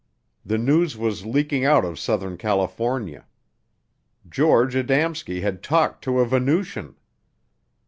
The news was leaking out of Southern California. George Adamski had talked to a Venusian!